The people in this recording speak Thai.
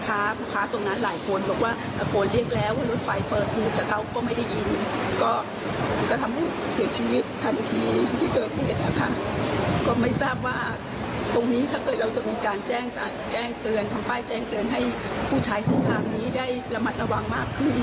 ทำป้ายแจ้งเตือนให้ผู้ใช้สินทางนี้ได้ระมัดระวังมากขึ้น